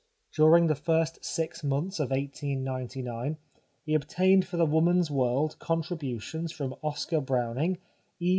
During the first six months of 1899 he obtained for The Woman's World contributions from Oscar Browning, E.